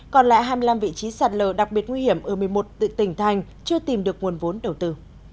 còn lại hai mươi năm vị trí sạt lở đặc biệt nguy hiểm ở một mươi một tỉnh thành chưa tìm được nguồn vốn đầu tư